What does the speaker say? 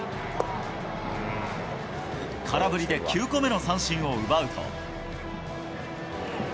空振りで９個目の三振を奪うと。